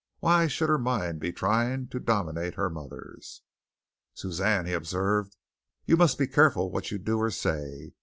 Why should her mind be trying to dominate her mother's? "Suzanne," he observed, "you must be careful what you do or say.